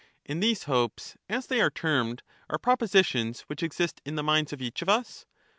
And these hopes, as they are termed, are propositions which exist in the minds of each of us